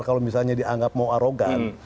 kalau misalnya dianggap mau arogan